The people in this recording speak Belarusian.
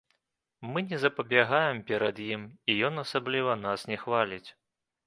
Мы не запабягаем перад ім і ён асабліва нас не хваліць.